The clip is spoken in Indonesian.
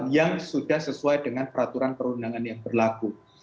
yang sudah sesuai dengan peraturan perundangan yang berlaku